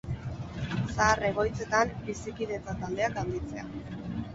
Zahar egoitzetan bizikidetza taldeak handitzea.